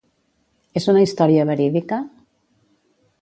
És una història verídica?